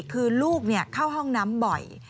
คือลูกเข้าห้องน้ำบ่อย